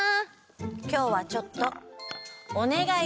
きょうはちょっとおねがいがあるの。